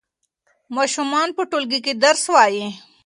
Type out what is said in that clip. ماشومان په ټولګي کې درس وايي.